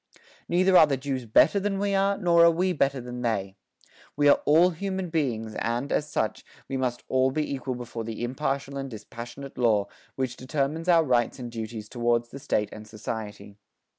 Neither are the Jews better than we are, nor are we better than they. We are all human beings and, as such, we must all be equal before the impartial and dispassionate Law, which determines our rights and duties towards the State and society.